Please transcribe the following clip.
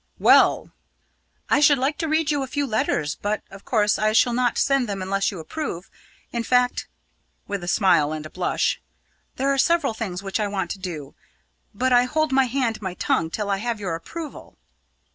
"Well!" "I should like to read you a few letters, but, of course, I shall not send them unless you approve. In fact" with a smile and a blush "there are several things which I want to do; but I hold my hand and my tongue till I have your approval."